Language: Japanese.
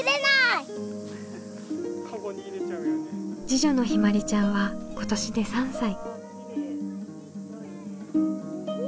次女のひまりちゃんは今年で３歳。